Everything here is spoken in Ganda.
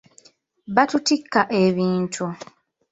Batutikka ebintu.